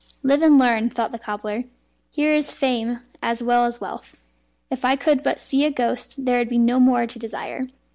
"Live and learn," thought the cobbler; "here is fame as well as wealth. If I could but see a ghost there would be no more to desire."